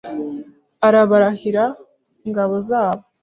arabarahira ingabo zabo